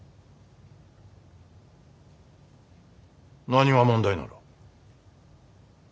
何が問題なら。